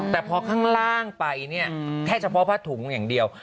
แต่พอข้างล่างไปเนี่ยแค่เฉพาะผ้าถุงอย่างเดียว